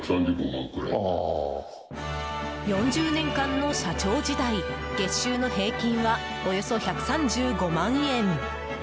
４０年間の社長時代月収の平均はおよそ１３５万円。